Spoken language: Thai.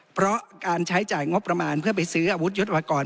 เพราะการใช้จ่ายงบประมาณเพื่อไปซื้ออาวุธยุทธวกร